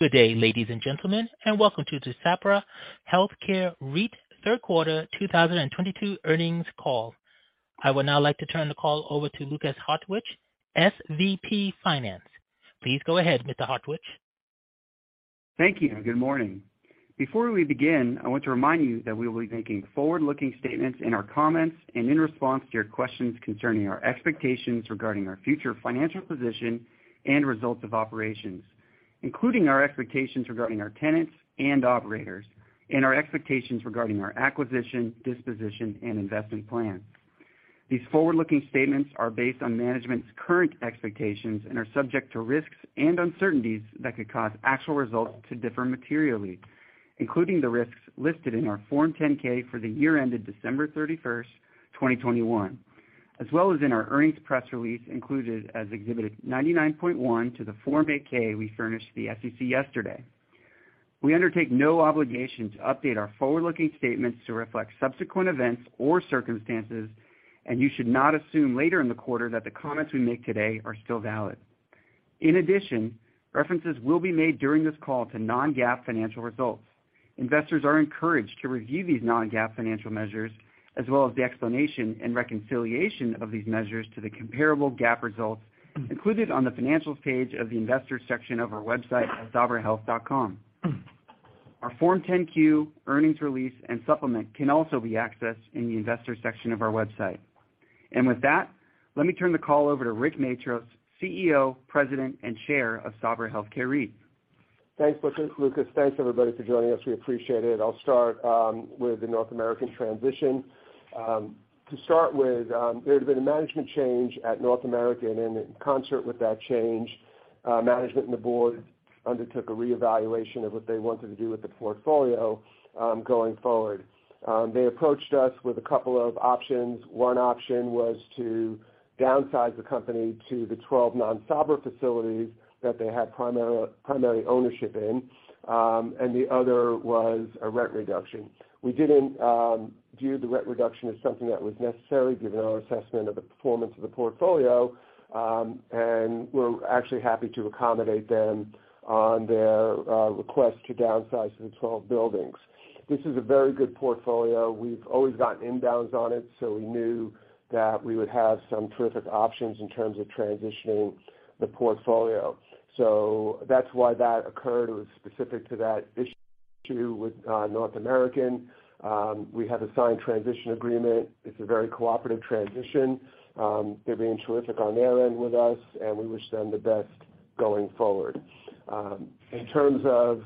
Good day, ladies and gentlemen, and welcome to the Sabra Health Care REIT third quarter 2022 earnings call. I would now like to turn the call over to Lukas Hartwich, SVP Finance. Please go ahead, Mr. Hartwich. Thank you and good morning. Before we begin, I want to remind you that we will be making forward-looking statements in our comments and in response to your questions concerning our expectations regarding our future financial position and results of operations, including our expectations regarding our tenants and operators, and our expectations regarding our acquisition, disposition, and investment plans. These forward-looking statements are based on management's current expectations and are subject to risks and uncertainties that could cause actual results to differ materially, including the risks listed in our Form 10-K for the year ended December 31, 2021, as well as in our earnings press release included as Exhibit 99.1 to the Form 8-K we furnished the SEC yesterday. We undertake no obligation to update our forward-looking statements to reflect subsequent events or circumstances, and you should not assume later in the quarter that the comments we make today are still valid. In addition, references will be made during this call to non-GAAP financial results. Investors are encouraged to review these non-GAAP financial measures as well as the explanation and reconciliation of these measures to the comparable GAAP results included on the Financial page of the Investors section of our website at sabrahealth.com. Our Form 10-Q, earnings release, and supplement can also be accessed in the Investors section of our website. With that, let me turn the call over to Rick Matros, CEO, President, and Chair of Sabra Health Care REIT. Thanks, Lukas. Thanks, everybody, for joining us. We appreciate it. I'll start with the North American transition. To start with, there had been a management change at North American, and in concert with that change, management and the board undertook a reevaluation of what they wanted to do with the portfolio, going forward. They approached us with a couple of options. One option was to downsize the company to the 12 non-Sabra facilities that they had primary ownership in, and the other was a rent reduction. We didn't view the rent reduction as something that was necessary given our assessment of the performance of the portfolio, and we're actually happy to accommodate them on their request to downsize to the 12 buildings. This is a very good portfolio. We've always gotten inbounds on it, so we knew that we would have some terrific options in terms of transitioning the portfolio. That's why that occurred. It was specific to that issue with North American. We have a signed transition agreement. It's a very cooperative transition. They're being terrific on their end with us, and we wish them the best going forward. In terms of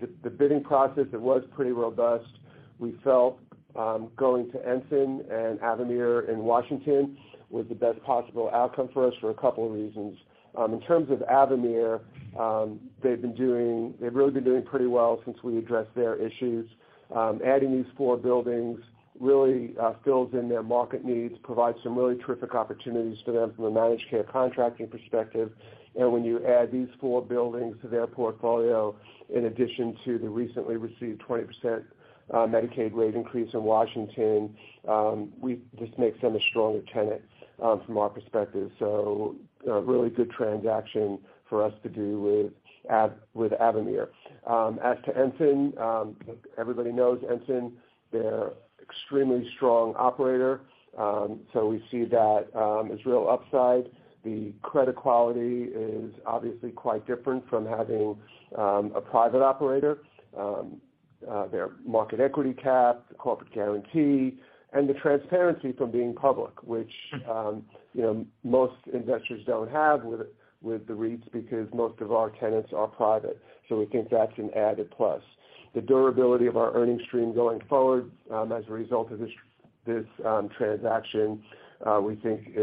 the bidding process, it was pretty robust. We felt going to Ensign and Avamere in Washington was the best possible outcome for us for a couple of reasons. In terms of Avamere, they've really been doing pretty well since we addressed their issues. Adding these four buildings really fills in their market needs, provides some really terrific opportunities for them from a managed care contracting perspective. When you add these four buildings to their portfolio, in addition to the recently received 20% Medicaid rate increase in Washington, this makes them a stronger tenant, from our perspective. A really good transaction for us to do with Avamere. As to Ensign, everybody knows Ensign. They're extremely strong operator, we see that as real upside. The credit quality is obviously quite different from having a private operator. Their market cap, the corporate guarantee, and the transparency from being public, which you know, most investors don't have with the REITs because most of our tenants are private. We think that's an added plus. The durability of our earnings stream going forward, as a result of this transaction, we think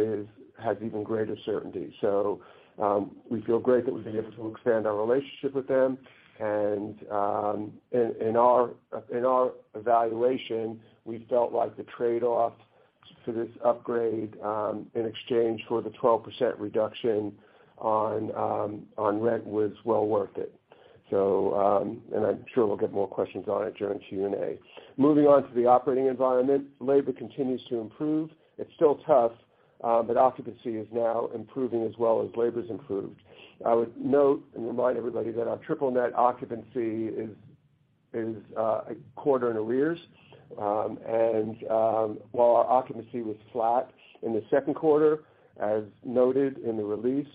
has even greater certainty. We feel great that we've been able to expand our relationship with them. In our evaluation, we felt like the trade-off for this upgrade in exchange for the 12% reduction on rent was well worth it. I'm sure we'll get more questions on it during Q&A. Moving on to the operating environment. Labor continues to improve. It's still tough, but occupancy is now improving as well as labor's improved. I would note and remind everybody that our Triple Net occupancy is a quarter in arrears. While our occupancy was flat in the second quarter, as noted in the release,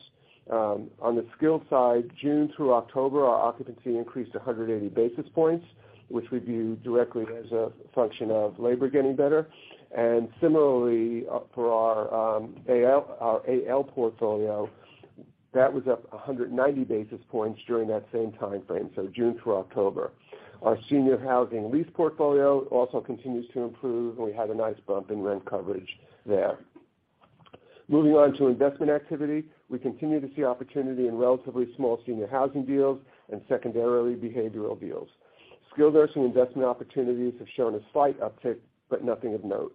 on the skilled side, June through October, our occupancy increased 180 basis points, which we view directly as a function of labor getting better. Similarly, for our AL, our AL portfolio, that was up 190 basis points during that same timeframe, June through October. Our senior housing lease portfolio also continues to improve, and we had a nice bump in rent coverage there. Moving on to investment activity. We continue to see opportunity in relatively small senior housing deals and secondarily behavioral deals. Skilled nursing investment opportunities have shown a slight uptick, but nothing of note.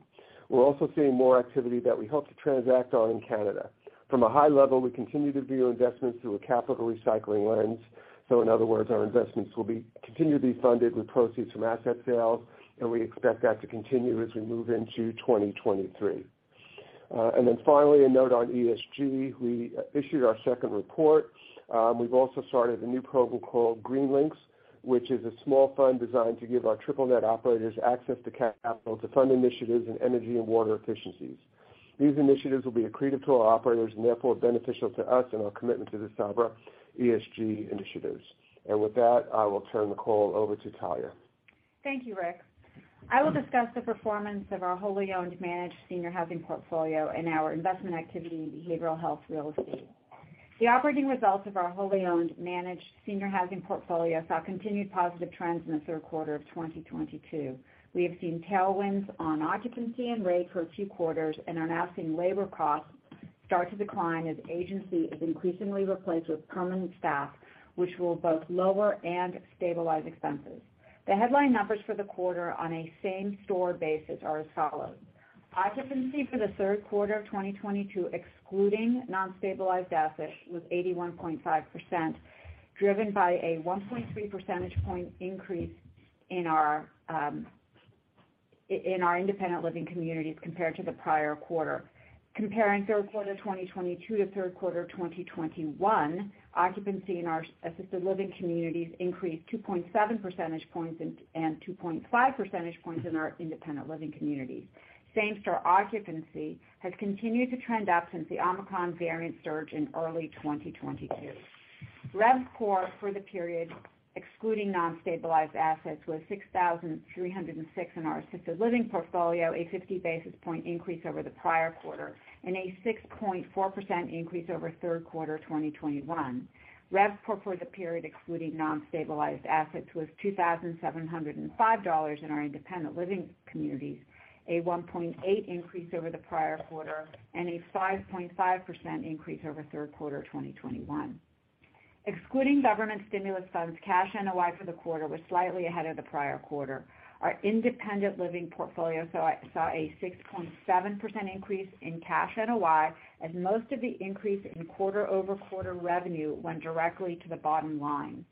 We're also seeing more activity that we hope to transact on in Canada. From a high level, we continue to view investments through a capital recycling lens. In other words, our investments will continue to be funded with proceeds from asset sales, and we expect that to continue as we move into 2023. Finally, a note on ESG. We issued our second report. We've also started a new program called Green Links, which is a small fund designed to give our Triple Net operators access to capital to fund initiatives in energy and water efficiencies. These initiatives will be accretive to our operators and therefore beneficial to us and our commitment to the Sabra ESG initiatives. With that, I will turn the call over to Talya. Thank you, Rick. I will discuss the performance of our wholly owned managed senior housing portfolio and our investment activity in behavioral health real estate. The operating results of our wholly owned managed senior housing portfolio saw continued positive trends in the third quarter of 2022. We have seen tailwinds on occupancy and rate for two quarters and are now seeing labor costs start to decline as agency is increasingly replaced with permanent staff, which will both lower and stabilize expenses. The headline numbers for the quarter on a same store basis are as follows. Occupancy for the third quarter of 2022, excluding non-stabilized assets, was 81.5%, driven by a 1.3 percentage point increase in our independent living communities compared to the prior quarter. Comparing third quarter 2022 to third quarter 2021, occupancy in our assisted living communities increased 2.7 percentage points and 2.5 percentage points in our independent living communities. Same store occupancy has continued to trend up since the Omicron variant surge in early 2022. RevPOR for the period, excluding non-stabilized assets, was $6,306 in our assisted living portfolio, a 50 basis point increase over the prior quarter and a 6.4% increase over third quarter 2021. RevPOR for the period excluding non-stabilized assets was $2,705 in our independent living communities, a 1.8% increase over the prior quarter and a 5.5% increase over third quarter 2021. Excluding government stimulus funds, cash NOI for the quarter was slightly ahead of the prior quarter. Our independent living portfolio saw a 6.7% increase in cash NOI as most of the increase in quarter-over-quarter revenue went directly to the bottom line.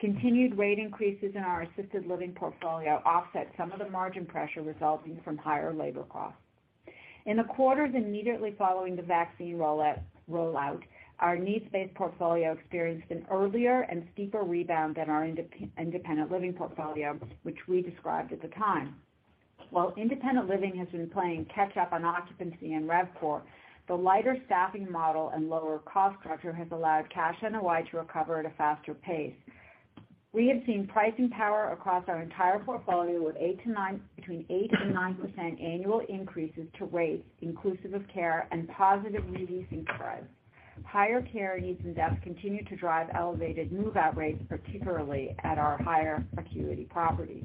Continued rate increases in our assisted living portfolio offset some of the margin pressure resulting from higher labor costs. In the quarters immediately following the vaccine rollout, our needs-based portfolio experienced an earlier and steeper rebound than our independent living portfolio, which we described at the time. While independent living has been playing catch up on occupancy and RevPOR, the lighter staffing model and lower cost structure has allowed cash NOI to recover at a faster pace. We have seen pricing power across our entire portfolio with between 8% and 9% annual increases to rates inclusive of care and positive leasing spreads. Higher care needs and deaths continue to drive elevated move-out rates, particularly at our higher acuity properties.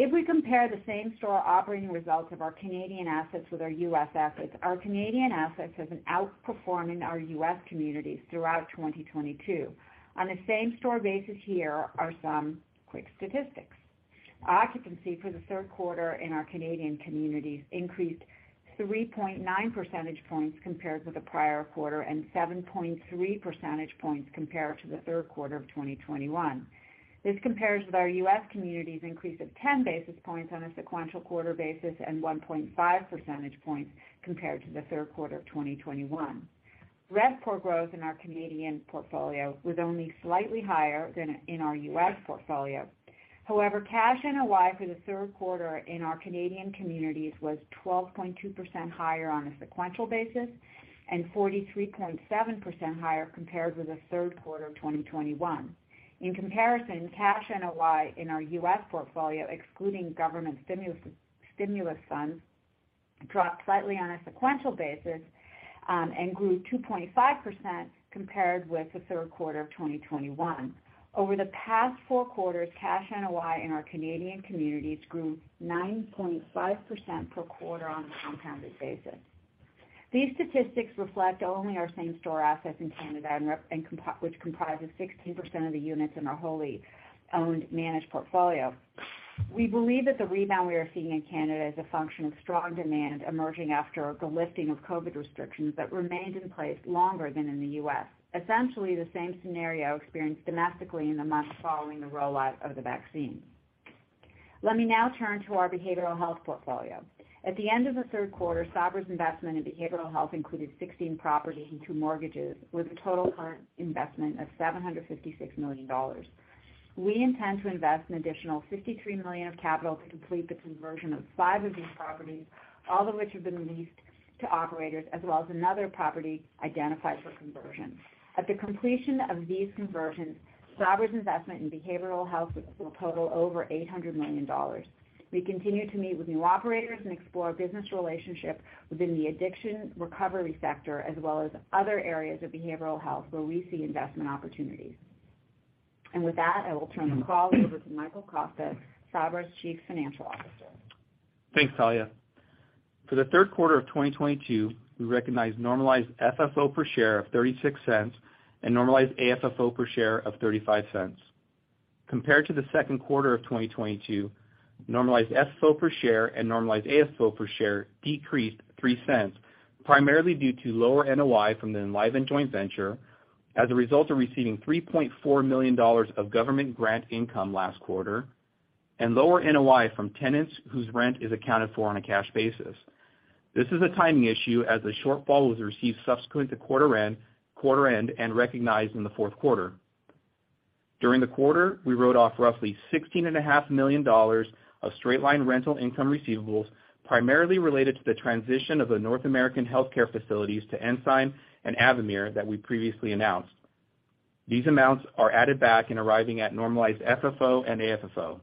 If we compare the same store operating results of our Canadian assets with our U.S. assets, our Canadian assets have been outperforming our U.S. communities throughout 2022. On a same store basis here are some quick statistics. Occupancy for the third quarter in our Canadian communities increased 3.9 percentage points compared with the prior quarter and 7.3 percentage points compared to the third quarter of 2021. This compares with our U.S. communities increase of 10 basis points on a sequential quarter basis and 1.5 percentage points compared to the third quarter of 2021. RevCOR growth in our Canadian portfolio was only slightly higher than in our U.S. portfolio. However, cash NOI for the third quarter in our Canadian communities was 12.2% higher on a sequential basis and 43.7% higher compared with the third quarter of 2021. In comparison, cash NOI in our U.S. portfolio, excluding government stimulus funds, dropped slightly on a sequential basis, and grew 2.5% compared with the third quarter of 2021. Over the past four quarters, cash NOI in our Canadian communities grew 9.5% per quarter on a compounded basis. These statistics reflect only our same store assets in Canada, which comprises 16% of the units in our wholly owned managed portfolio. We believe that the rebound we are seeing in Canada is a function of strong demand emerging after the lifting of COVID restrictions that remained in place longer than in the US, essentially the same scenario experienced domestically in the months following the rollout of the vaccine. Let me now turn to our behavioral health portfolio. At the end of the third quarter, Sabra's investment in behavioral health included 16 properties and two mortgages, with a total current investment of $756 million. We intend to invest an additional $53 million of capital to complete the conversion of five of these properties, all of which have been leased to operators as well as another property identified for conversion. At the completion of these conversions, Sabra's investment in behavioral health will total over $800 million. We continue to meet with new operators and explore business relationships within the addiction recovery sector as well as other areas of behavioral health where we see investment opportunities. With that, I will turn the call over to Michael Costa, Sabra's Chief Financial Officer. Thanks, Talya. For the third quarter of 2022, we recognized normalized FFO per share of $0.36 and normalized AFFO per share of $0.35. Compared to the second quarter of 2022, normalized FFO per share and normalized AFFO per share decreased $0.03, primarily due to lower NOI from the Enlivant joint venture as a result of receiving $3.4 million of government grant income last quarter. Lower NOI from tenants whose rent is accounted for on a cash basis. This is a timing issue as the shortfall was received subsequent to quarter end and recognized in the fourth quarter. During the quarter, we wrote off roughly $16.5 million of straight-line rental income receivables primarily related to the transition of the North American Health Care facilities to Ensign and Avamere that we previously announced. These amounts are added back in arriving at normalized FFO and AFFO.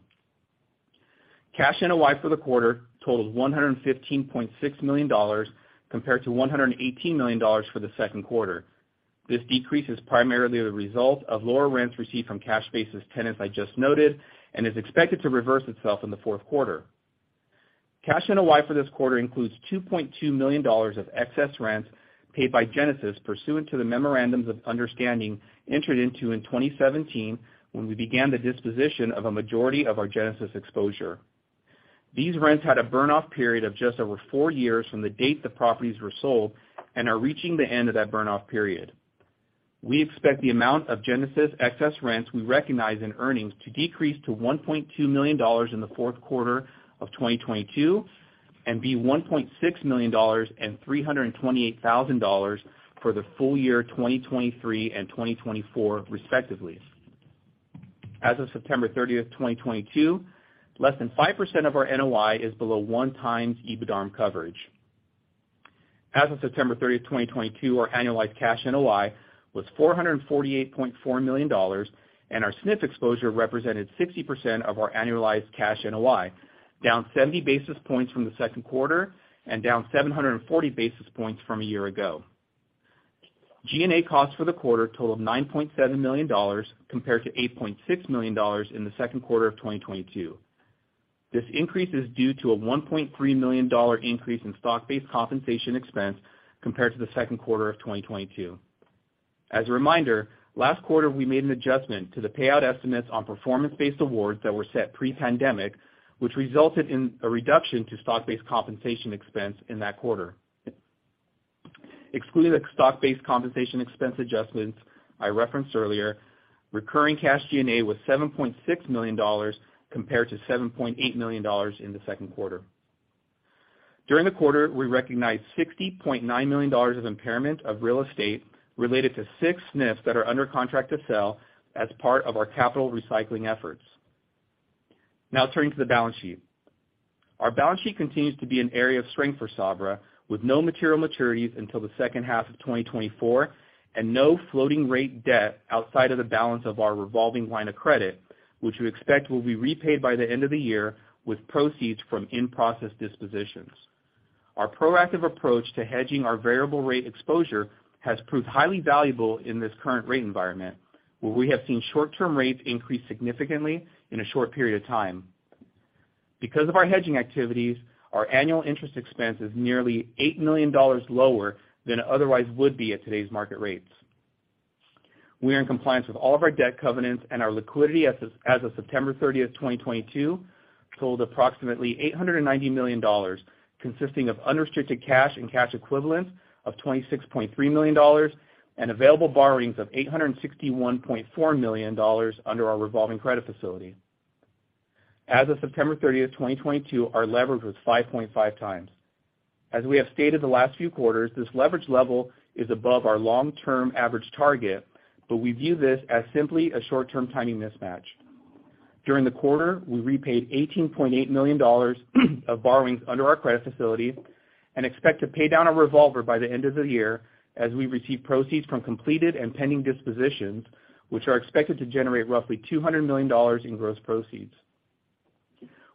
Cash NOI for the quarter totaled $115.6 million compared to $118 million for the second quarter. This decrease is primarily the result of lower rents received from cash basis tenants I just noted, and is expected to reverse itself in the fourth quarter. Cash NOI for this quarter includes $2.2 million of excess rents paid by Genesis pursuant to the memorandums of understanding entered into in 2017 when we began the disposition of a majority of our Genesis exposure. These rents had a burn off period of just over four years from the date the properties were sold and are reaching the end of that burn off period. We expect the amount of Genesis excess rents we recognize in earnings to decrease to $1.2 million in the fourth quarter of 2022, and be $1.6 million and $328,000 for the full year 2023 and 2024 respectively. As of September 30, 2022, less than 5% of our NOI is below 1x EBITDARM coverage. As of September 30, 2022, our annualized cash NOI was $448.4 million, and our SNF exposure represented 60% of our annualized cash NOI, down 70 basis points from the second quarter and down 740 basis points from a year ago. G&A costs for the quarter totaled $9.7 million compared to $8.6 million in the second quarter of 2022. This increase is due to a $1.3 million dollar increase in stock-based compensation expense compared to the second quarter of 2022. As a reminder, last quarter, we made an adjustment to the payout estimates on performance-based awards that were set pre-pandemic, which resulted in a reduction to stock-based compensation expense in that quarter. Excluding the stock-based compensation expense adjustments I referenced earlier, recurring cash G&A was $7.6 million compared to $7.8 million in the second quarter. During the quarter, we recognized $60.9 million of impairment of real estate related to six SNFs that are under contract to sell as part of our capital recycling efforts. Now turning to the balance sheet. Our balance sheet continues to be an area of strength for Sabra, with no material maturities until the second half of 2024, and no floating rate debt outside of the balance of our revolving line of credit, which we expect will be repaid by the end of the year with proceeds from in-process dispositions. Our proactive approach to hedging our variable rate exposure has proved highly valuable in this current rate environment, where we have seen short-term rates increase significantly in a short period of time. Because of our hedging activities, our annual interest expense is nearly $8 million lower than it otherwise would be at today's market rates. We are in compliance with all of our debt covenants and our liquidity as of September 30, 2022, totaled approximately $890 million, consisting of unrestricted cash and cash equivalents of $26.3 million and available borrowings of $861.4 million under our revolving credit facility. As of September 30, 2022, our leverage was 5.5x. As we have stated the last few quarters, this leverage level is above our long-term average target, but we view this as simply a short-term timing mismatch. During the quarter, we repaid $18.8 million of borrowings under our credit facility and expect to pay down our revolver by the end of the year as we receive proceeds from completed and pending dispositions, which are expected to generate roughly $200 million in gross proceeds.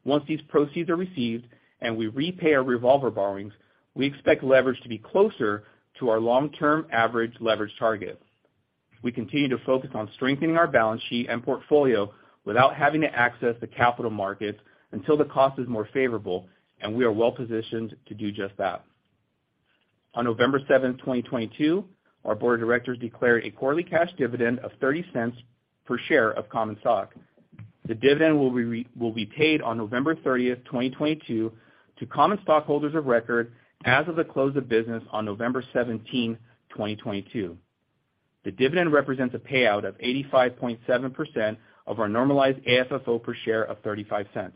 Once these proceeds are received and we repay our revolver borrowings, we expect leverage to be closer to our long-term average leverage target. We continue to focus on strengthening our balance sheet and portfolio without having to access the capital markets until the cost is more favorable, and we are well positioned to do just that. On November 7th, 2022, our board of directors declared a quarterly cash dividend of $0.30 per share of common stock. The dividend will be paid on November 30th, 2022, to common stockholders of record as of the close of business on November 17th, 2022. The dividend represents a payout of 85.7% of our normalized AFFO per share of $0.35.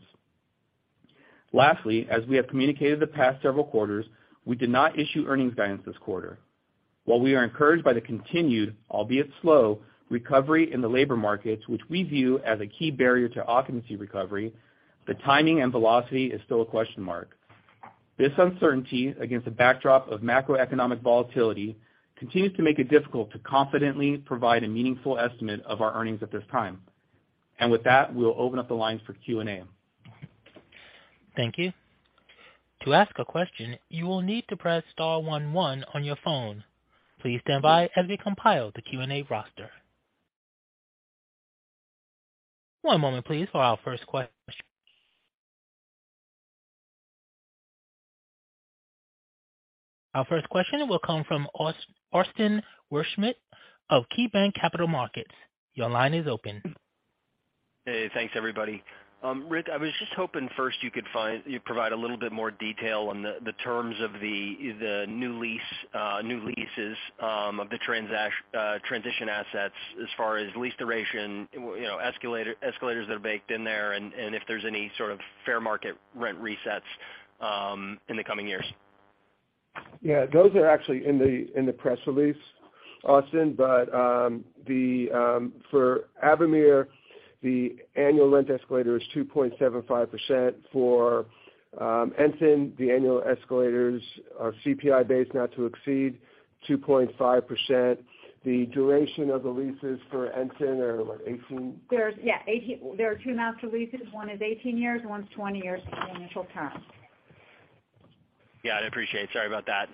Lastly, as we have communicated the past several quarters, we did not issue earnings guidance this quarter. While we are encouraged by the continued, albeit slow, recovery in the labor markets, which we view as a key barrier to occupancy recovery, the timing and velocity is still a question mark. This uncertainty against the backdrop of macroeconomic volatility continues to make it difficult to confidently provide a meaningful estimate of our earnings at this time. With that, we'll open up the lines for Q&A. Thank you. To ask a question, you will need to press star one one on your phone. Please stand by as we compile the Q&A roster. One moment please. Our first question will come from Austin Wurschmidt of KeyBanc Capital Markets. Your line is open. Hey, thanks everybody. Rick, I was just hoping first you could provide a little bit more detail on the terms of the new lease, new leases of the transition assets as far as lease duration, you know, escalator, escalators that are baked in there, and if there's any sort of fair market rent resets in the coming years. Yeah, those are actually in the press release, Austin. For Avamere, the annual rent escalator is 2.75%. For Ensign, the annual escalators are CPI based not to exceed 2.5%. The duration of the leases for Ensign are, what, 18? There are two master leases. One is 18 years, one's 20 years for the initial term. Yeah, I'd appreciate. Sorry about that.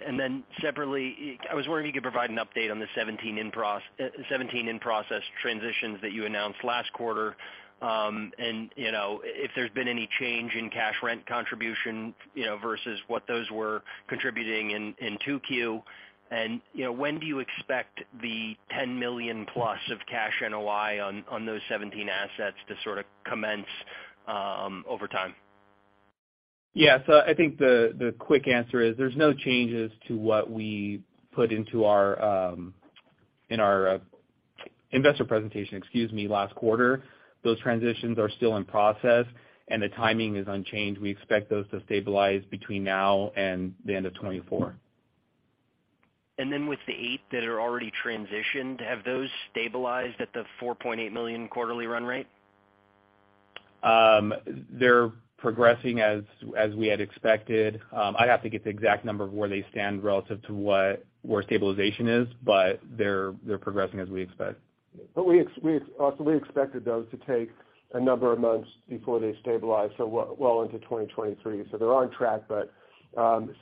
Separately, I was wondering if you could provide an update on the 17 in-process transitions that you announced last quarter. You know, if there's been any change in cash rent contribution, you know, versus what those were contributing in 2Q. You know, when do you expect the $10 million plus of cash NOI on those 17 assets to sort of commence over time? Yeah. I think the quick answer is there's no changes to what we put into our investor presentation, excuse me, last quarter. Those transitions are still in process, and the timing is unchanged. We expect those to stabilize between now and the end of 2024. With the eight that are already transitioned, have those stabilized at the $4.8 million quarterly run rate? They're progressing as we had expected. I'd have to get the exact number of where they stand relative to where stabilization is, but they're progressing as we expect. We expected those to take a number of months before they stabilize, well into 2023. They're on track, but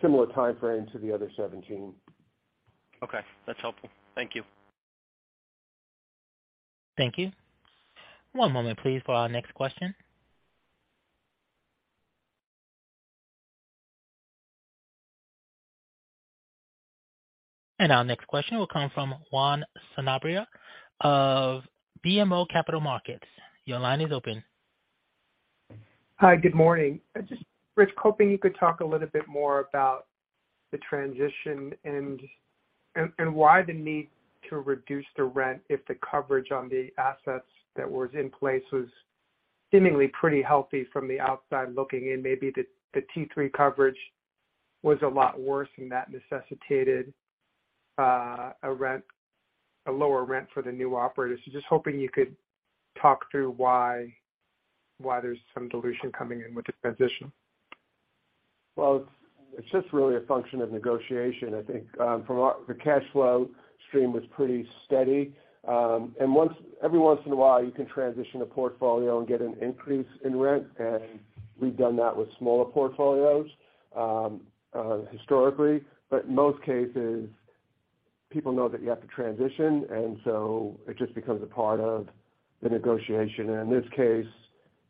similar timeframe to the other 17. Okay. That's helpful. Thank you. Thank you. One moment please for our next question. Our next question will come from Juan Sanabria of BMO Capital Markets. Your line is open. Hi, good morning. I just, Rick, hoping you could talk a little bit more about the transition and why the need to reduce the rent if the coverage on the assets that was in place was seemingly pretty healthy from the outside looking in. Maybe the T3 coverage was a lot worse, and that necessitated a lower rent for the new operators. Just hoping you could talk through why there's some dilution coming in with the transition. Well, it's just really a function of negotiation, I think. The cash flow stream was pretty steady. Every once in a while, you can transition a portfolio and get an increase in rent, and we've done that with smaller portfolios, historically. In most cases, people know that you have to transition, and so it just becomes a part of the negotiation. In this case,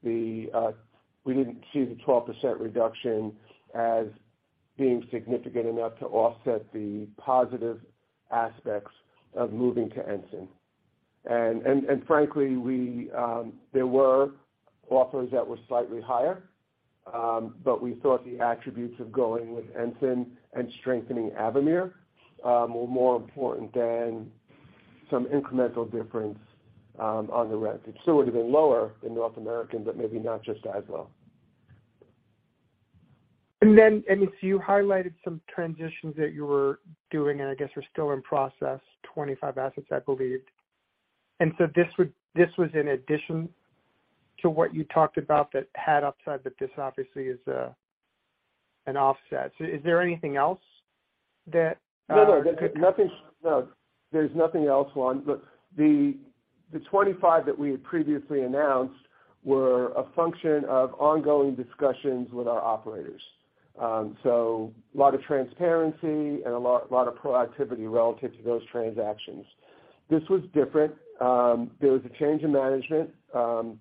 we didn't see the 12% reduction as being significant enough to offset the positive aspects of moving to Ensign. And frankly, there were offers that were slightly higher, but we thought the attributes of going with Ensign and strengthening Avamere were more important than some incremental difference on the rent. It still would've been lower than North American, but maybe not just as low. If you highlighted some transitions that you were doing and I guess are still in process, 25 assets, I believe. This was in addition to what you talked about that had upside, but this obviously is an offset. Is there anything else that No, no. Nothing. No. There's nothing else, Juan. Look, the 25 that we had previously announced were a function of ongoing discussions with our operators. A lot of transparency and a lot of proactivity relative to those transactions. This was different. There was a change in management,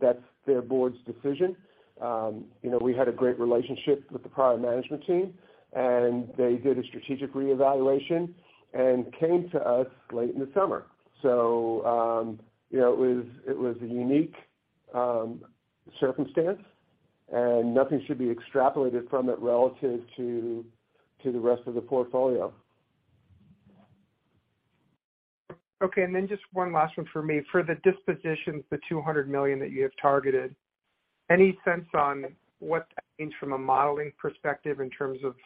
that's their board's decision. You know, we had a great relationship with the prior management team, and they did a strategic reevaluation and came to us late in the summer. You know, it was a unique circumstance, and nothing should be extrapolated from it relative to the rest of the portfolio. Okay. Just one last one for me. For the dispositions, the $200 million that you have targeted, any sense on what that means from a modeling perspective in terms of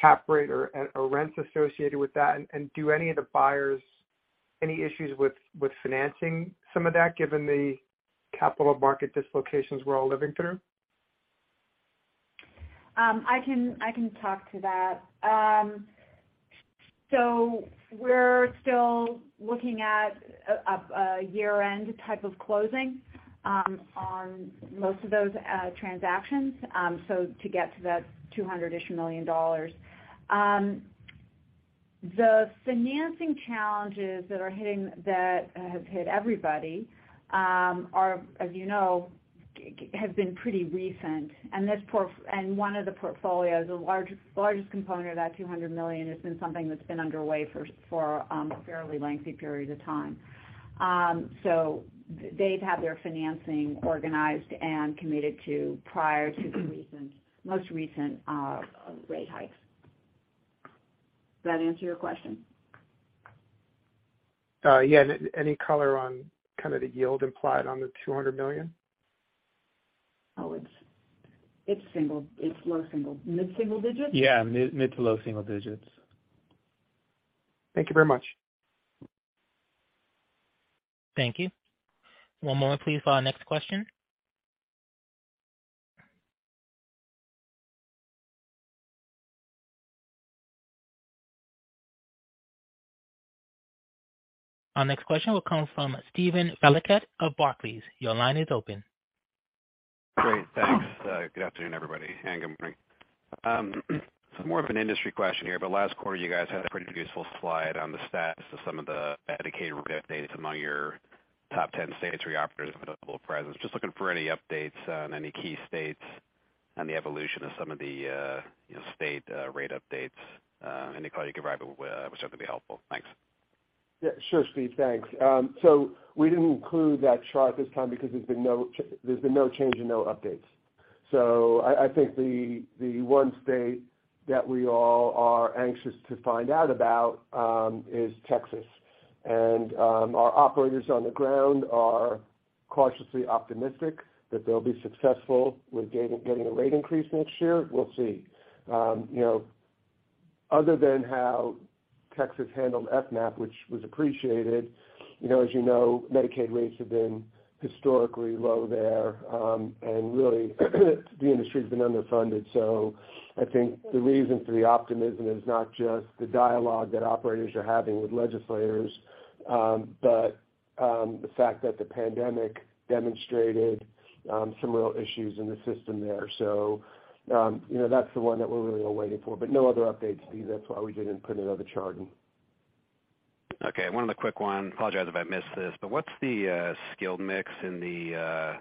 cap rate or rents associated with that? Do any of the buyers, any issues with financing some of that, given the capital market dislocations we're all living through? I can talk to that. We're still looking at a year-end type of closing on most of those transactions, so to get to that $200-ish million. The financing challenges that have hit everybody, as you know, have been pretty recent. One of the portfolios, the largest component of that $200 million has been something that's been underway for a fairly lengthy period of time. They've had their financing organized and committed to prior to the most recent rate hikes. Does that answer your question? Yeah. Any color on kind of the yield implied on the $200 million? It's low single. Mid-single digits? Yeah. Mid- to low-single digits. Thank you very much. Thank you. One moment please for our next question. Our next question will come from Steven Valiquette of Barclays. Your line is open. Great, thanks. Good afternoon, everybody, and good morning. So more of an industry question here, but last quarter, you guys had a pretty useful slide on the stats of some of the Medicaid rate updates among your top 10 states where you operate with a double presence. Just looking for any updates on any key states and the evolution of some of the, you know, state rate updates. Any color you could provide would certainly be helpful. Thanks. Yeah, sure, Steve. Thanks. We didn't include that chart this time because there's been no change and no updates. I think the one state that we all are anxious to find out about is Texas. Our operators on the ground are cautiously optimistic that they'll be successful with getting a rate increase next year. We'll see. You know, other than how Texas handled FMAP, which was appreciated, you know, as you know, Medicaid rates have been historically low there, and really, the industry's been underfunded. I think the reason for the optimism is not just the dialogue that operators are having with legislators, but the fact that the pandemic demonstrated some real issues in the system there. You know, that's the one that we're really all waiting for, but no other updates, Steve. That's why we didn't put another chart in. Okay. One other quick one. Apologize if I missed this. What's the skilled mix in the properties going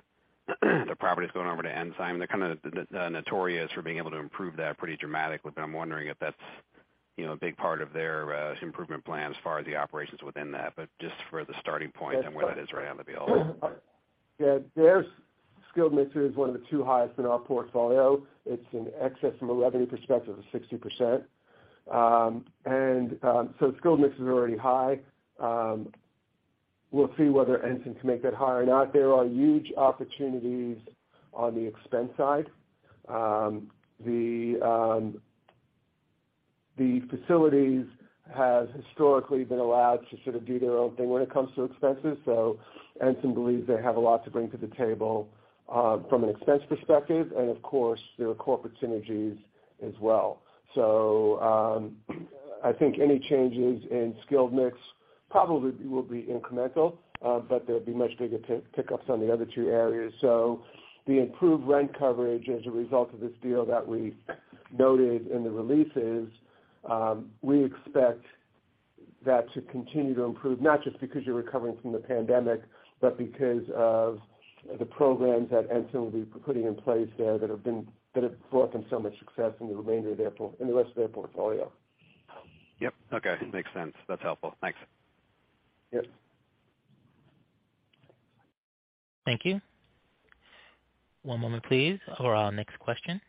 over to Ensign? They're kind of notorious for being able to improve that pretty dramatically, but I'm wondering if that's, you know, a big part of their improvement plan as far as the operations within that, but just for the starting point and where that is right out of the gate. Yeah, their skilled mix is one of the two highest in our portfolio. It's in excess of a revenue perspective of 60%. The skilled mix is already high. We'll see whether Ensign can make that higher or not. There are huge opportunities on the expense side. The facilities has historically been allowed to sort of do their own thing when it comes to expenses. Ensign believes they have a lot to bring to the table, from an expense perspective and of course, there are corporate synergies as well. I think any changes in skilled mix probably will be incremental, but there'll be much bigger pick ups on the other two areas. The improved rent coverage as a result of this deal that we noted in the releases, we expect that to continue to improve, not just because you're recovering from the pandemic, but because of the programs that Ensign will be putting in place there that have brought them so much success in the rest of their portfolio. Yep. Okay. Makes sense. That's helpful. Thanks. Yep. Thank you. One moment please for our next question.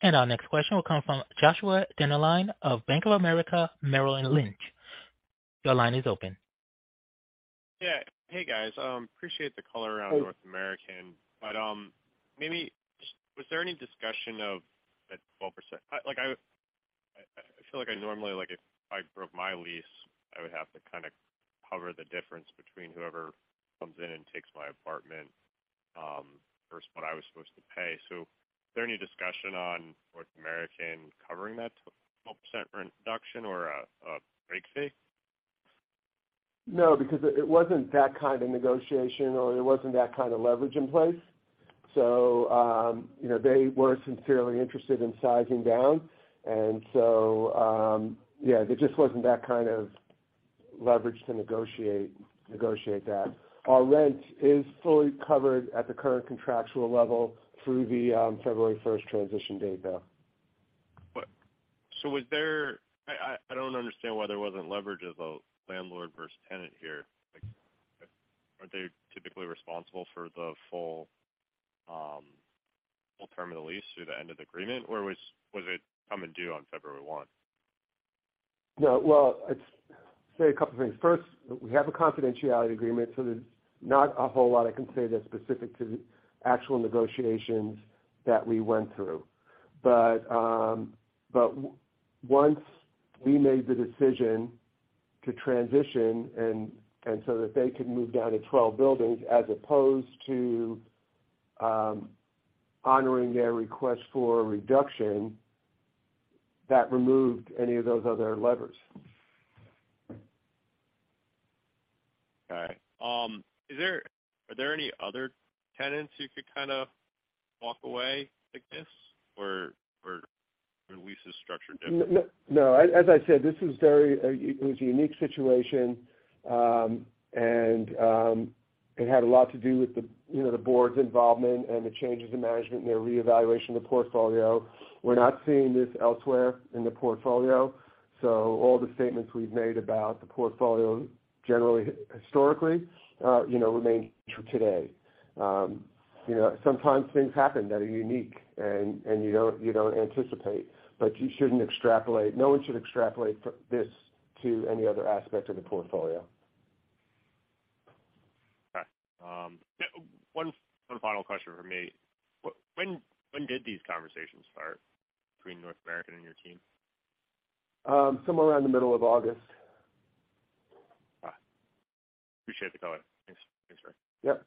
Our next question will come from Joshua Dennerlein of Bank of America Merrill Lynch. Your line is open. Yeah. Hey, guys. Appreciate the color around North American, but maybe just was there any discussion of that 12%? Like I feel like I normally, like if I broke my lease, I would have to kind of cover the difference between whoever comes in and takes my apartment, versus what I was supposed to pay. Is there any discussion on North American covering that 12% rent reduction or a break fee? No, because it wasn't that kind of negotiation or there wasn't that kind of leverage in place. You know, they were sincerely interested in sizing down. Yeah, there just wasn't that kind of leverage to negotiate that. Our rent is fully covered at the current contractual level through the February first transition date, though. Was there I don't understand why there wasn't leverage of a landlord versus tenant here. Like, aren't they typically responsible for the full term of the lease through the end of the agreement or was it coming due on February one? No. Well, say a couple things. First, we have a confidentiality agreement, so there's not a whole lot I can say that's specific to the actual negotiations that we went through. Once we made the decision to transition and so that they can move down to 12 buildings as opposed to honoring their request for a reduction, that removed any of those other levers. Got it. Are there any other tenants who could kind of walk away like this, or are leases structured differently? No. As I said, this is very, it was a unique situation, and it had a lot to do with the, you know, the board's involvement and the changes in management and their reevaluation of the portfolio. We're not seeing this elsewhere in the portfolio, so all the statements we've made about the portfolio generally, historically, you know, remain true today. You know, sometimes things happen that are unique and you don't anticipate. No one should extrapolate this to any other aspect of the portfolio. Got it. One final question from me. When did these conversations start between North American and your team? Somewhere around the middle of August. All right. Appreciate the color. Thanks. Thanks, sir. Yep.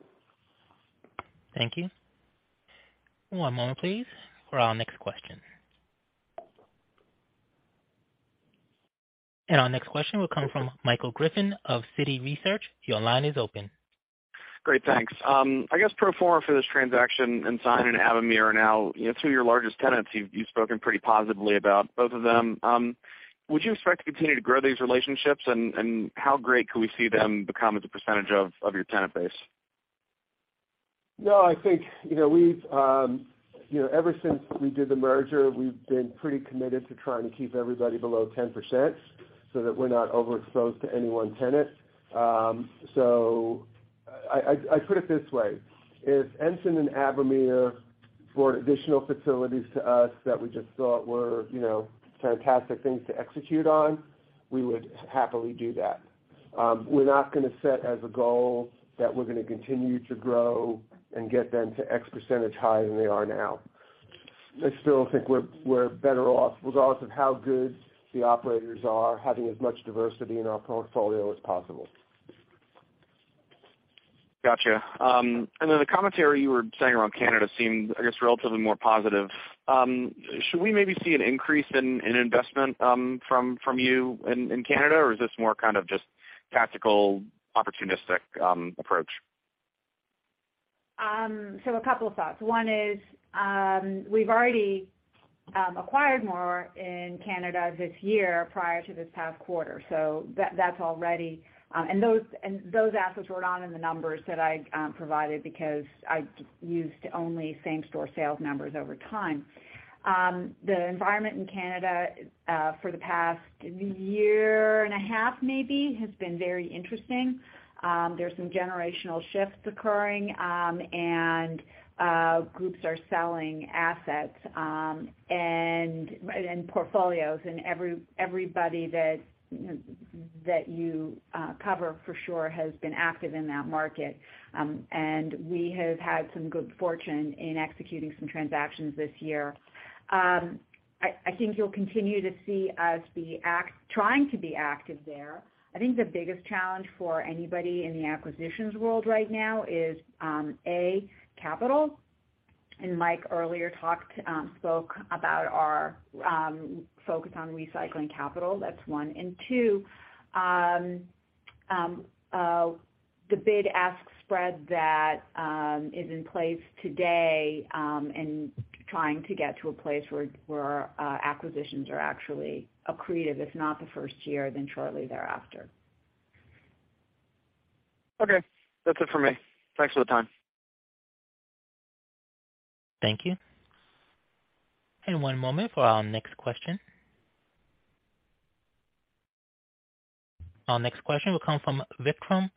Thank you. One moment please for our next question. Our next question will come from Michael Griffin of Citi Research. Your line is open. Great, thanks. I guess pro forma for this transaction, Ensign and Avamere are now, you know, two of your largest tenants. You've spoken pretty positively about both of them. Would you expect to continue to grow these relationships, and how great can we see them become as a percentage of your tenant base? No, I think, you know, we've, you know, ever since we did the merger, we've been pretty committed to trying to keep everybody below 10% so that we're not overexposed to any one tenant. I put it this way: If Ensign and Avamere brought additional facilities to us that we just thought were, you know, fantastic things to execute on, we would happily do that. We're not gonna set as a goal that we're gonna continue to grow and get them to X% higher than they are now. I still think we're better off, regardless of how good the operators are, having as much diversity in our portfolio as possible. Gotcha. The commentary you were saying around Canada seemed, I guess, relatively more positive. Should we maybe see an increase in investment from you in Canada? Is this more kind of just tactical, opportunistic approach? A couple of thoughts. One is, we've already acquired more in Canada this year prior to this past quarter, so that's already. Those assets were not in the numbers that I provided because I used only same-store sales numbers over time. The environment in Canada for the past year and a half maybe has been very interesting. There's some generational shifts occurring, and groups are selling assets, and portfolios. Everybody that you cover for sure has been active in that market. We have had some good fortune in executing some transactions this year. I think you'll continue to see us trying to be active there. I think the biggest challenge for anybody in the acquisitions world right now is capital, and Mike earlier spoke about our focus on recycling capital. That's one. Two, the bid-ask spread that is in place today, and trying to get to a place where our acquisitions are actually accretive, if not the first year, then shortly thereafter. Okay. That's it for me. Thanks for the time. Thank you. One moment for our next question. Our next question will come from Vikram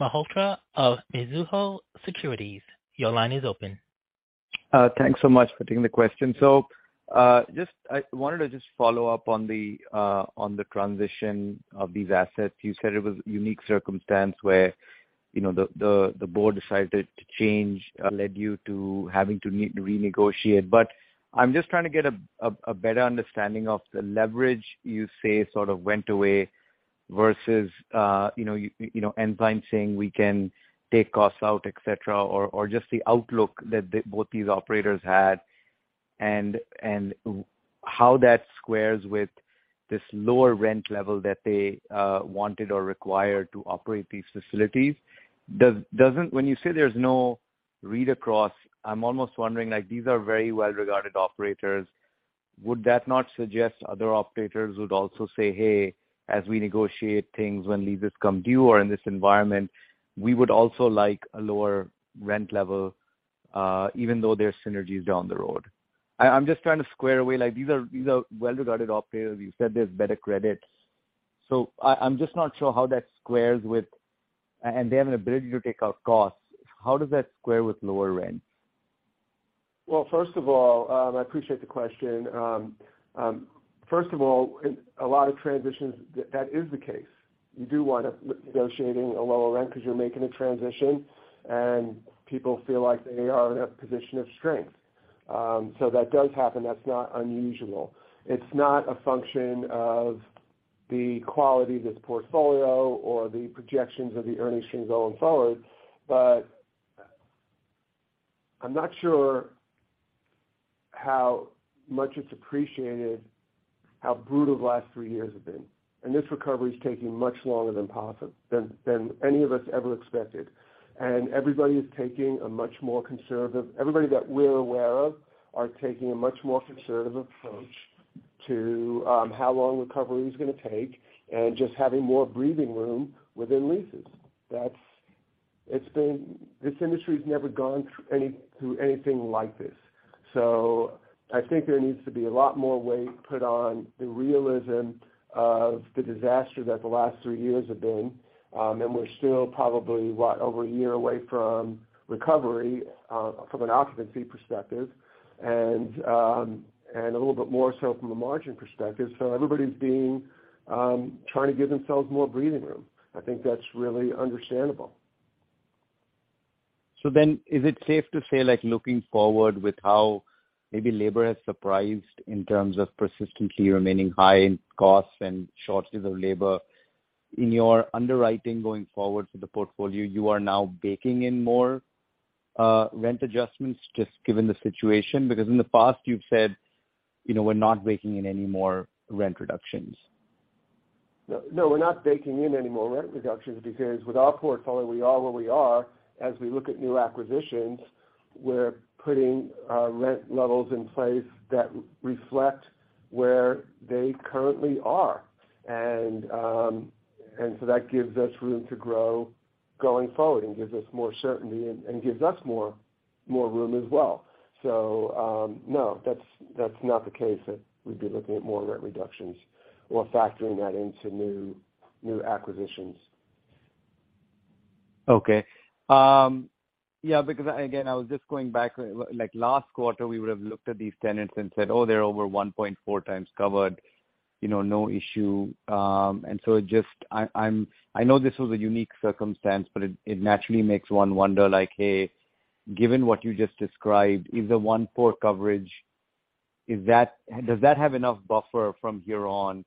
Malhotra of Mizuho Securities. Your line is open. Thanks so much for taking the question. Just I wanted to just follow up on the on the transition of these assets. You said it was a unique circumstance where, you know, the board decided to change, led you to having to renegotiate. I'm just trying to get a a better understanding of the leverage you say sort of went away versus, you know, Ensign saying, "We can take costs out," et cetera, or just the outlook that the both these operators had and how that squares with this lower rent level that they wanted or required to operate these facilities. Doesn't when you say there's no read across, I'm almost wondering, like these are very well-regarded operators. Would that not suggest other operators would also say, "Hey, as we negotiate things when leases come due or in this environment, we would also like a lower rent level, even though there's synergies down the road." I'm just trying to square away, like, these are well-regarded operators. You said there's better credits. I'm just not sure how that squares with. They have an ability to take out costs. How does that square with lower rent? Well, first of all, I appreciate the question. First of all, in a lot of transitions, that is the case. You do wind up negotiating a lower rent 'cause you're making a transition, and people feel like they are in a position of strength. That does happen. That's not unusual. It's not a function of the quality of this portfolio or the projections of the earnings streams going forward. I'm not sure how much it's appreciated how brutal the last three years have been, and this recovery is taking much longer than any of us ever expected. Everybody that we're aware of are taking a much more conservative approach to how long recovery is gonna take and just having more breathing room within leases. This industry's never gone through anything like this. I think there needs to be a lot more weight put on the realism of the disaster that the last three years have been. We're still probably, what, over a year away from recovery from an occupancy perspective and a little bit more so from a margin perspective. Everybody's trying to give themselves more breathing room. I think that's really understandable. Is it safe to say, like looking forward with how maybe labor has surprised in terms of persistently remaining high in costs and shortages of labor in your underwriting going forward for the portfolio, you are now baking in more rent adjustments just given the situation? Because in the past you've said, you know, we're not baking in any more rent reductions. No, no, we're not baking in any more rent reductions because with our portfolio, we are where we are. As we look at new acquisitions, we're putting rent levels in place that reflect where they currently are. So that gives us room to grow going forward and gives us more certainty and gives us more room as well. No, that's not the case that we'd be looking at more rent reductions or factoring that into new acquisitions. Okay. Yeah, because again, I was just going back, like last quarter, we would have looked at these tenants and said, "Oh, they're over 1.4x covered, you know, no issue." It just—I know this was a unique circumstance, but it naturally makes one wonder like, hey, given what you just described, is the 1.4 coverage, does that have enough buffer from here on,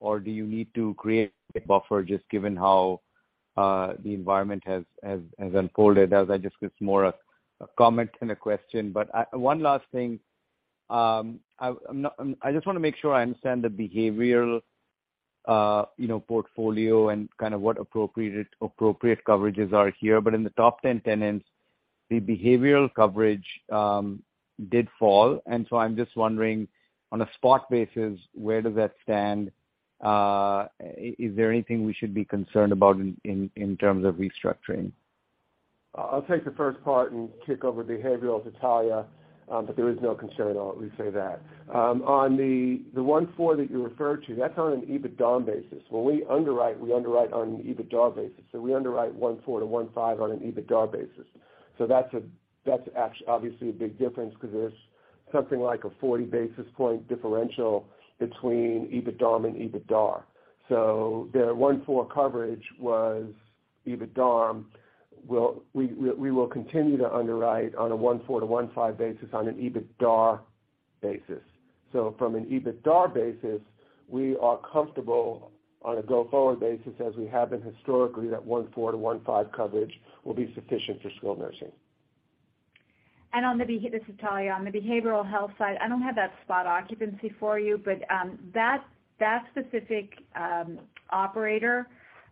or do you need to create a buffer just given how the environment has unfolded? As I just, it's more a comment than a question. One last thing, I just wanna make sure I understand the behavioral portfolio and kind of what appropriate coverages are here. In the top ten tenants, the behavioral coverage did fall. I'm just wondering, on a spot basis, where does that stand? Is there anything we should be concerned about in terms of restructuring? I'll take the first part and kick over behavioral to Talya. There is no concern at all. Let me say that. On the 1.4 that you referred to, that's on an EBITDAM basis. When we underwrite, we underwrite on an EBITDAR basis. We underwrite 1.4-1.5 on an EBITDAR basis. That's obviously a big difference because there's something like a 40 basis point differential between EBITDAM and EBITDAR. Their 1.4 coverage was EBITDAM. We will continue to underwrite on a 1.4-1.5 basis on an EBITDAR basis. From an EBITDAR basis, we are comfortable on a go-forward basis, as we have been historically, that 1.4-1.5 coverage will be sufficient for skilled nursing. This is Talya. On the behavioral health side, I don't have that spot occupancy for you, but that specific operator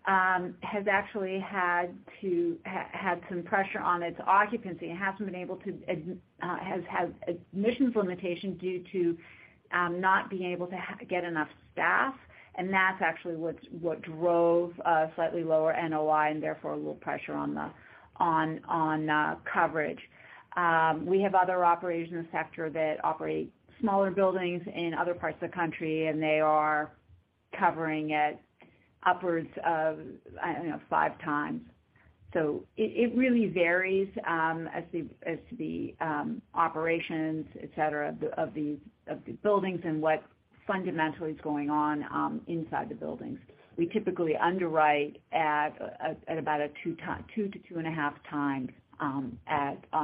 has actually had some pressure on its occupancy. It hasn't been able to has admissions limitations due to not being able to get enough staff. That's actually what drove a slightly lower NOI and therefore a little pressure on the coverage. We have other operations sector that operate smaller buildings in other parts of the country, and they are covering at upwards of, I don't know, five times. It really varies as the operations, et cetera, of the buildings and what fundamentally is going on inside the buildings. We typically underwrite at about 2-2.5x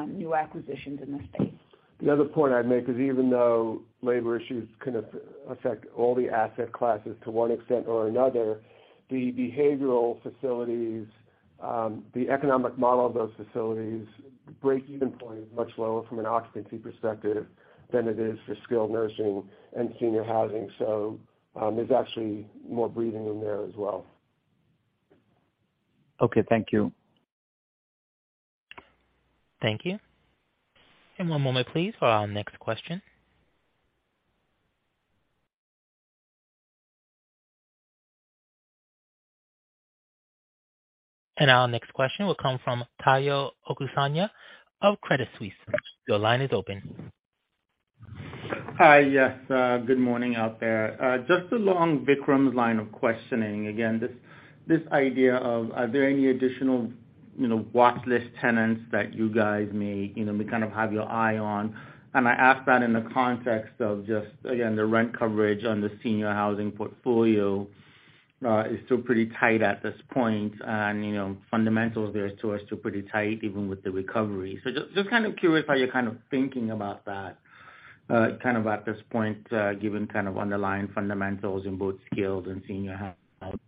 new acquisitions in this space. The other point I'd make is, even though labor issues can affect all the asset classes to one extent or another, the behavioral facilities, the economic model of those facilities' break even point is much lower from an occupancy perspective than it is for skilled nursing and senior housing. There's actually more breathing room there as well. Okay. Thank you. Thank you. One moment please for our next question. Our next question will come from Omotayo Okusanya of Credit Suisse. Your line is open. Hi. Yes, good morning out there. Just along Vikram's line of questioning, again, this idea of are there any additional, you know, watch list tenants that you guys may, you know, may kind of have your eye on? I ask that in the context of just, again, the rent coverage on the senior housing portfolio is still pretty tight at this point. You know, fundamentals there too are still pretty tight even with the recovery. Just kind of curious how you're kind of thinking about that kind of at this point, given kind of underlying fundamentals in both skilled and senior housing.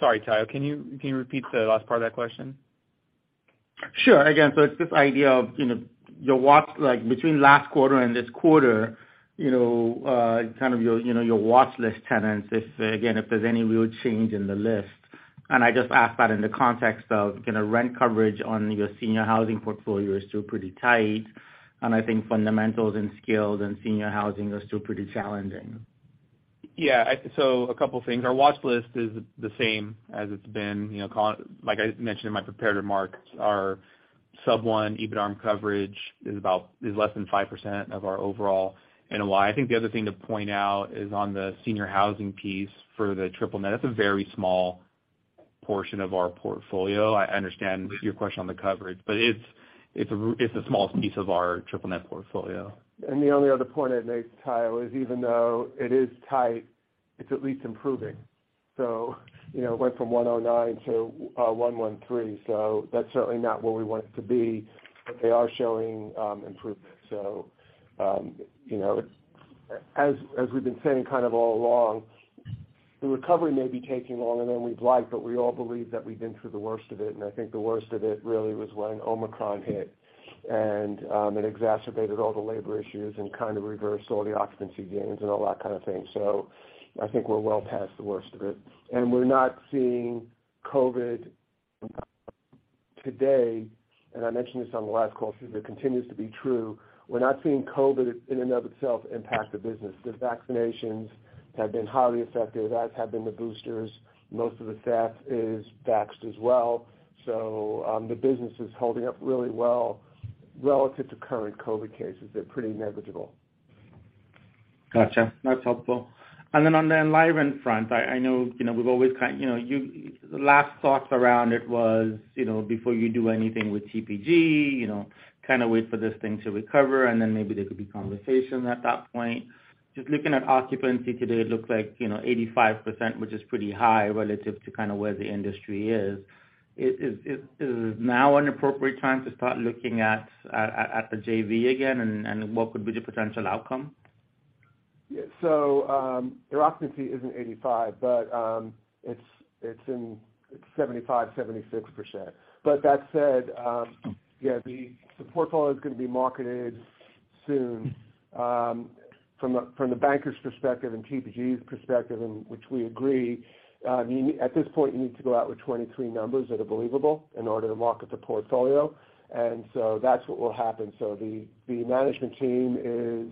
Sorry, Tayo, can you repeat the last part of that question? Sure. Again, it's this idea of, you know, your watch list tenants, like between last quarter and this quarter, you know, kind of, if, again, if there's any real change in the list. I just ask that in the context of, you know, rent coverage on your senior housing portfolio is still pretty tight, and I think fundamentals in skilled and senior housing are still pretty challenging. A couple things. Our watch list is the same as it's been, you know. Like I mentioned in my prepared remarks, our sub one EBITDARM coverage is about less than 5% of our overall NOI. I think the other thing to point out is on the senior housing piece for the triple-net. That's a very small portion of our portfolio. I understand your question on the coverage, but it's the smallest piece of our triple-net portfolio. The only other point I'd make, Tayo, was even though it is tight, it's at least improving. You know, it went from 109-113. That's certainly not where we want it to be, but they are showing improvement. You know, as we've been saying kind of all along, the recovery may be taking longer than we'd like, but we all believe that we've been through the worst of it, and I think the worst of it really was when Omicron hit. It exacerbated all the labor issues and kind of reversed all the occupancy gains and all that kind of thing. I think we're well past the worst of it. We're not seeing COVID today, and I mentioned this on the last call, so it continues to be true. We're not seeing COVID in and of itself impact the business. The vaccinations have been highly effective, as have been the boosters. Most of the staff is vaxxed as well. The business is holding up really well relative to current COVID cases. They're pretty negligible. Gotcha. That's helpful. Then on the Enlivant front, I know, you know, we've always you know, the last thoughts around it was, you know, before you do anything with TPG, you know, kinda wait for this thing to recover, and then maybe there could be conversation at that point. Just looking at occupancy today, it looks like, you know, 85%, which is pretty high relative to kind of where the industry is. Is now an appropriate time to start looking at the JV again, and what could be the potential outcome? Their occupancy isn't 85, but it's in 75%-76%. That said, yeah, the portfolio's gonna be marketed soon. From the banker's perspective and TPG's perspective, which we agree, at this point, you need to go out with 23 numbers that are believable in order to market the portfolio. That's what will happen. The management team is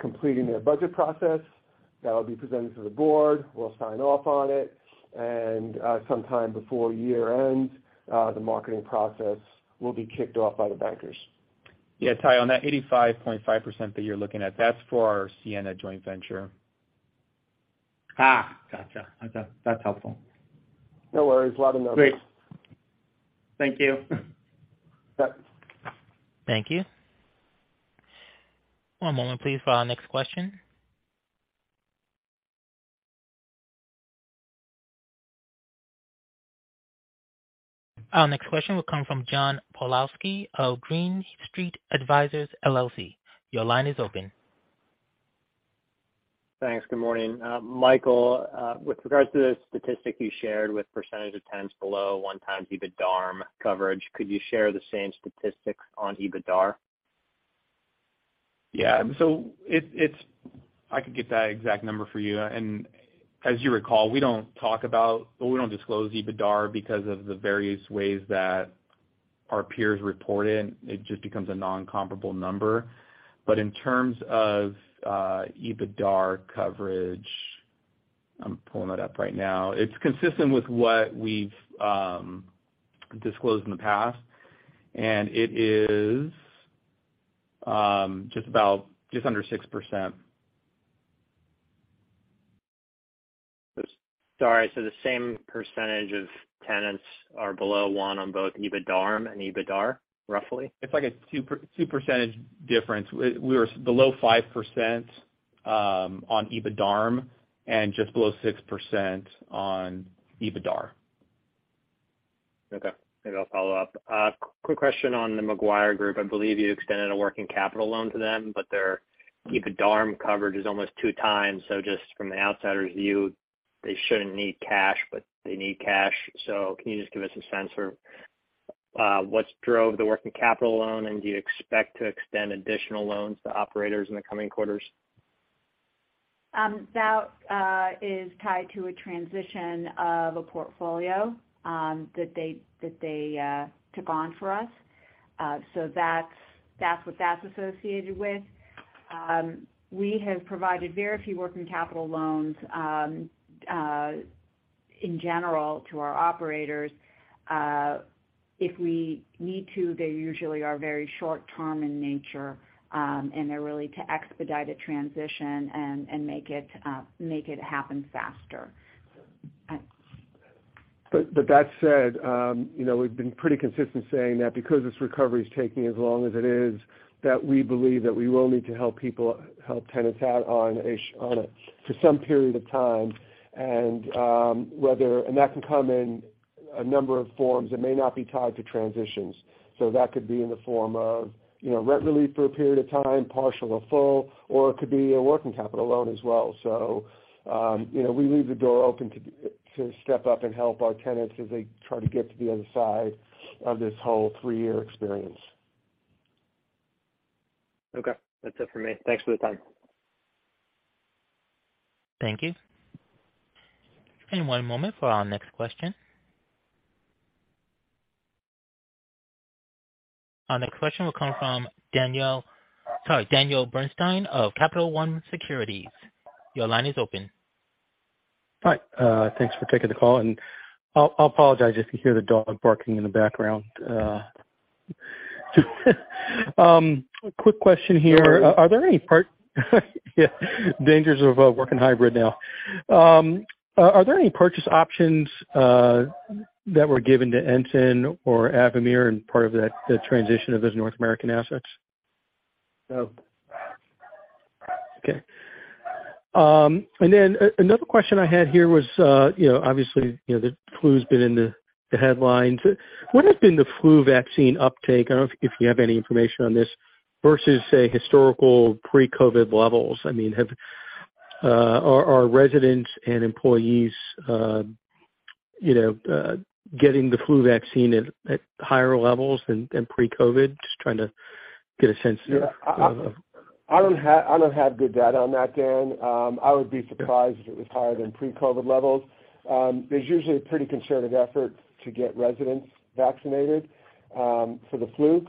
completing their budget process that will be presented to the board. We'll sign off on it, and sometime before year end, the marketing process will be kicked off by the bankers. Yeah, Tayo, on that 85.5% that you're looking at, that's for our Sienna joint venture. Gotcha. Okay, that's helpful. No worries. A lot of numbers. Great. Thank you. Yep. Thank you. One moment, please, for our next question. Our next question will come from John Pawlowski of Green Street Advisors, LLC. Your line is open. Thanks. Good morning. Michael, with regards to the statistic you shared with percentage of tenants below 1x EBITDARM coverage, could you share the same statistics on EBITDAR? Yeah. I could get that exact number for you. As you recall, we don't talk about or we don't disclose EBITDAR because of the various ways that our peers report it. It just becomes a non-comparable number. In terms of EBITDAR coverage, I'm pulling it up right now. It's consistent with what we've disclosed in the past, and it is just about just under 6%. Sorry. The same percentage of tenants are below one on both EBITDARM and EBITDAR, roughly? It's like a 2% difference. We were below 5% on EBITDARM and just below 6% on EBITDAR. Okay. Maybe I'll follow up. Quick question on The McGuire Group. I believe you extended a working capital loan to them, but their EBITDARM coverage is almost 2x. Just from the outsider's view, they shouldn't need cash, but they need cash. Can you just give us a sense for what's drove the working capital loan, and do you expect to extend additional loans to operators in the coming quarters? That is tied to a transition of a portfolio that they took on for us. That's what that's associated with. We have provided very few working capital loans in general to our operators. If we need to, they usually are very short term in nature, and they're really to expedite a transition and make it happen faster. That said, you know, we've been pretty consistent saying that because this recovery is taking as long as it is, that we believe that we will need to help tenants out on a short-term basis for some period of time. That can come in a number of forms that may not be tied to transitions. That could be in the form of, you know, rent relief for a period of time, partial or full, or it could be a working capital loan as well. You know, we leave the door open to step up and help our tenants as they try to get to the other side of this whole three-year experience. Okay. That's it for me. Thanks for the time. Thank you. One moment for our next question. Our next question will come from Daniel Bernstein of Capital One Securities. Your line is open. Hi. Thanks for taking the call, and I'll apologize if you hear the dog barking in the background. A quick question here. Are there any dangers of working hybrid now? Are there any purchase options that were given to Ensign or Avamere and part of that, the transition of those North American assets? No. Okay. Another question I had here was, you know, obviously, you know, the flu's been in the headlines. What has been the flu vaccine uptake? I don't know if you have any information on this, versus, say, historical pre-COVID levels. I mean, are residents and employees getting the flu vaccine at higher levels than pre-COVID? Just trying to get a sense of Yeah. I don't have good data on that, Dan. I would be surprised if it was higher than pre-COVID levels. There's usually a pretty concerted effort to get residents vaccinated for the flu.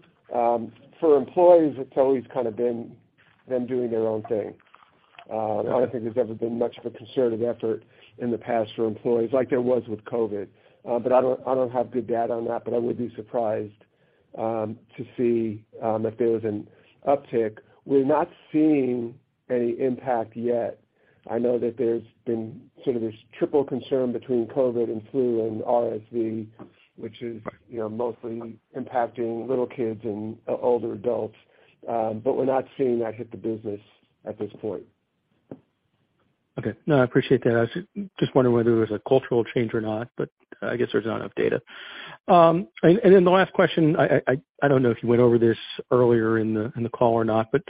For employees, it's always kind of been them doing their own thing. I don't think there's ever been much of a concerted effort in the past for employees, like there was with COVID. But I don't have good data on that, but I would be surprised to see if there was an uptick. We're not seeing any impact yet. I know that there's been sort of this triple concern between COVID, and flu, and RSV, which is, you know, mostly impacting little kids and older adults. But we're not seeing that hit the business at this point. Okay. No, I appreciate that. I was just wondering whether it was a cultural change or not, but I guess there's not enough data. The last question, I don't know if you went over this earlier in the call or not, but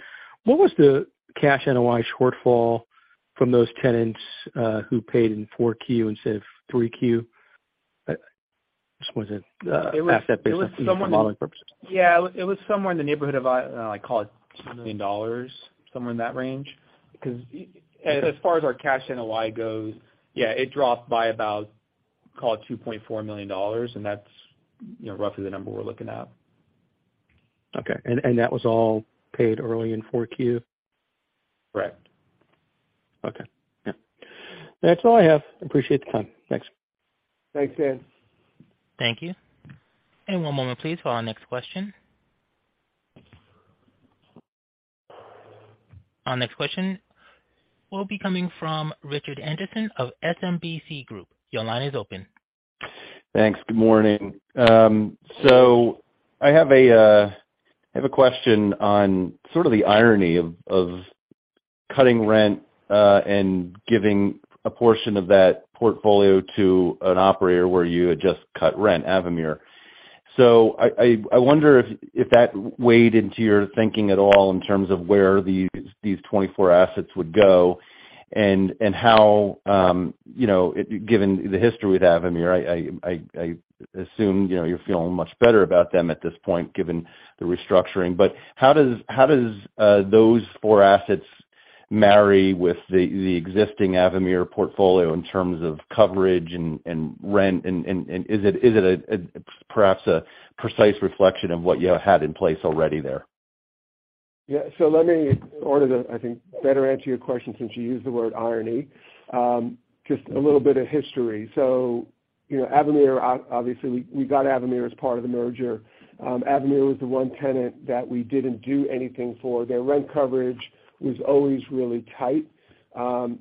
what was the cash NOI shortfall from those tenants who paid in 4Q instead of 3Q? This was it, asset base- It was somewhere. Model purposes. Yeah. It was somewhere in the neighborhood of, I call it $2 million, somewhere in that range. 'Cause as far as our cash NOI goes, yeah, it dropped by about, call it $2.4 million, and that's, you know, roughly the number we're looking at. Okay. That was all paid early in 4Q? Correct. Okay. Yeah. That's all I have. Appreciate the time. Thanks. Thanks, Dan. Thank you. One moment please for our next question. Our next question will be coming from Richard Anderson of SMBC Group. Your line is open. Thanks. Good morning. I have a question on sort of the irony of cutting rent and giving a portion of that portfolio to an operator where you had just cut rent, Avamere. I wonder if that weighed into your thinking at all in terms of where these 24 assets would go, and how, you know, given the history with Avamere, I assume you're feeling much better about them at this point, given the restructuring. How does those 4 assets marry with the existing Avamere portfolio in terms of coverage and rent, and is it perhaps a precise reflection of what you had in place already there? Yeah. Let me in order to, I think, better answer your question, since you used the word irony, just a little bit of history. You know, Avamere, obviously, we got Avamere as part of the merger. Avamere was the one tenant that we didn't do anything for. Their rent coverage was always really tight,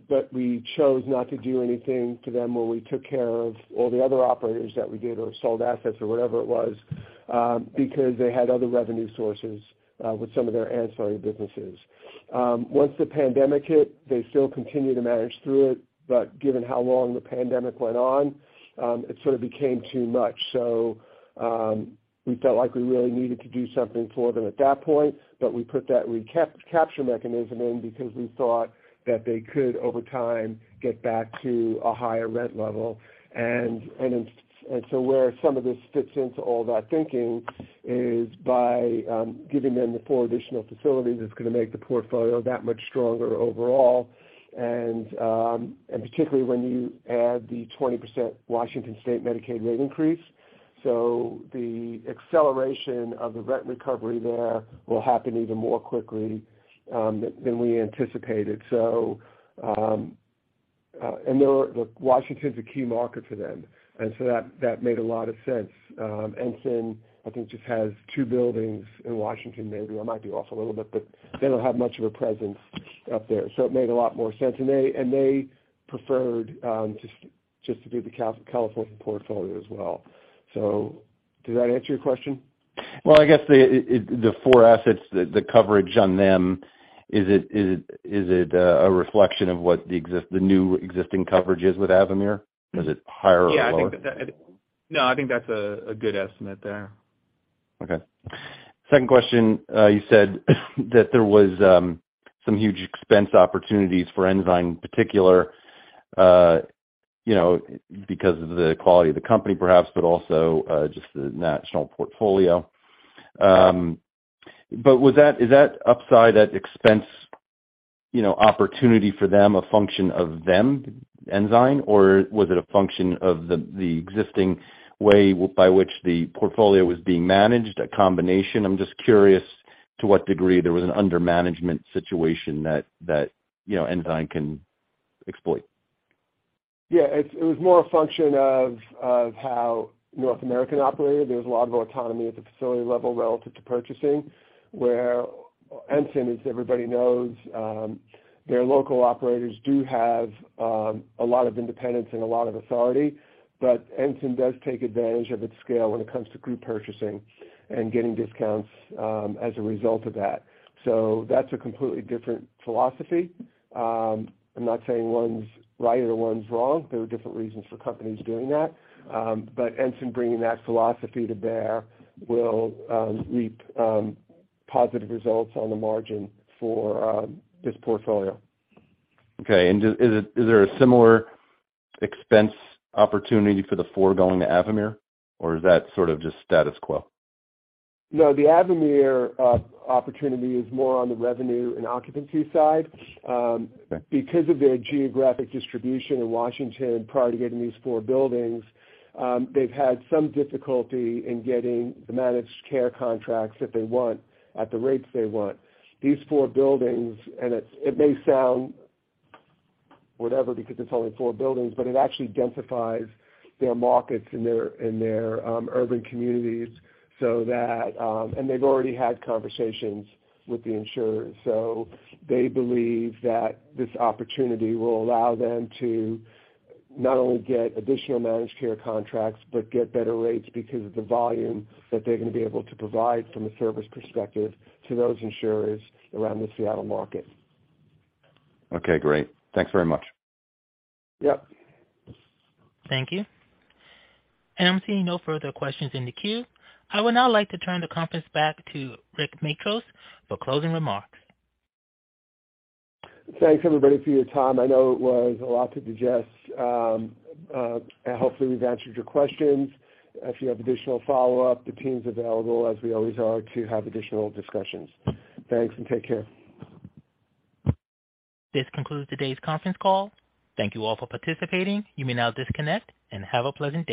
but we chose not to do anything to them when we took care of all the other operators that we did or sold assets or whatever it was, because they had other revenue sources with some of their ancillary businesses. Once the pandemic hit, they still continued to manage through it, but given how long the pandemic went on, it sort of became too much. We felt like we really needed to do something for them at that point, but we put that recapture mechanism in because we thought that they could, over time, get back to a higher rent level. Where some of this fits into all that thinking is by giving them the four additional facilities, it's gonna make the portfolio that much stronger overall, and particularly when you add the 20% Washington State Medicaid rate increase. The acceleration of the rent recovery there will happen even more quickly than we anticipated. Washington's a key market for them. That made a lot of sense. Ensign, I think, just has two buildings in Washington, maybe. I might be off a little bit, but they don't have much of a presence up there, so it made a lot more sense. And they preferred just to do the California portfolio as well. Did that answer your question? Well, I guess the four assets, the coverage on them, is it a reflection of what the new existing coverage is with Avamere? Is it higher or lower? No, I think that's a good estimate there. Okay. Second question. You said that there was some huge expense opportunities for Ensign, particularly, you know, because of the quality of the company perhaps, but also just the national portfolio. But is that upside, that expense, you know, opportunity for them, a function of them, Ensign, or was it a function of the existing way by which the portfolio was being managed, a combination? I'm just curious to what degree there was an under-management situation that, you know, Ensign can exploit. It was more a function of how North American operated. There's a lot more autonomy at the facility level relative to purchasing. Where Ensign, as everybody knows, their local operators do have a lot of independence and a lot of authority. Ensign does take advantage of its scale when it comes to group purchasing and getting discounts, as a result of that. That's a completely different philosophy. I'm not saying one's right or one's wrong. There are different reasons for companies doing that. Ensign bringing that philosophy to bear will reap positive results on the margin for this portfolio. Okay. Is there a similar expense opportunity for the four going to Avamere, or is that sort of just status quo? No, the Avamere opportunity is more on the revenue and occupancy side. Okay. Because of their geographic distribution in Washington prior to getting these four buildings, they've had some difficulty in getting the Managed Care contracts that they want at the rates they want. These four buildings, it may sound whatever because it's only four buildings, but it actually densifies their markets in their urban communities so that. They've already had conversations with the insurers. They believe that this opportunity will allow them to not only get additional Managed Care contracts but get better rates because of the volume that they're gonna be able to provide from a service perspective to those insurers around the Seattle market. Okay, great. Thanks very much. Yep. Thank you. I'm seeing no further questions in the queue. I would now like to turn the conference back to Rick Matros for closing remarks. Thanks everybody for your time. I know it was a lot to digest. Hopefully, we've answered your questions. If you have additional follow-up, the team's available as we always are to have additional discussions. Thanks and take care. This concludes today's conference call. Thank you all for participating. You may now disconnect and have a pleasant day.